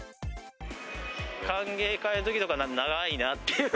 歓迎会のときとか、長いなって